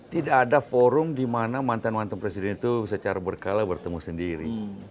tidak ada forum di mana mantan mantan presiden itu secara berkala bertemu sendiri